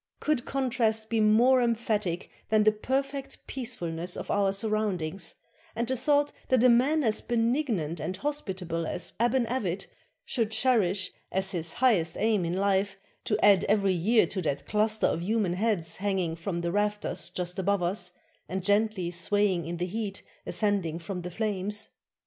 Could contrast be more emphatic than the perfect peacefulness of our surroundings, and the thought that a man as benignant and hospitable as Aban Avit should cherish as his highest aim in life to add every year to that cluster of human heads hanging from the rafters just above us, and gently swaying in the heat ascending from the flames?